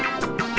aku mau pergi